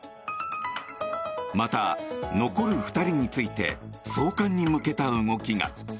また、残る２人について送還に向けた動きが。